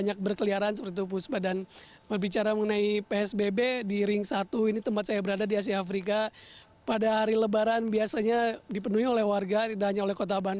jalan asia afrika